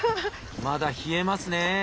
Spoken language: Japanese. まだ冷えますね。